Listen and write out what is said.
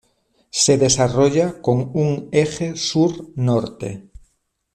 Se desarrolla con un eje sur-norte.